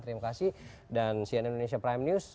terima kasih dan cnn indonesia prime news